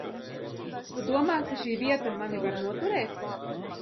Tu domā, ka šī vieta mani var noturēt?